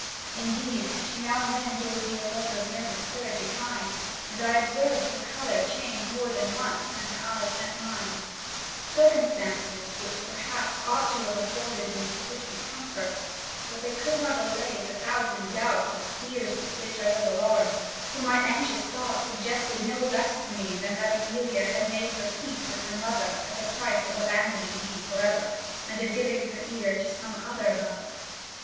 Indeed, she now and then gave me a look of no discouraging kind, and I observed her colour change more than once when her eyes met mine; circumstances, which, perhaps, ought to have afforded me sufficient comfort, but they could not allay the thousand doubts and fears with which I was alarmed, for my anxious thoughts suggested no less to me than that Amelia had made her peace with her mother at the price of abandoning me forever, and of giving her ear to some other lover.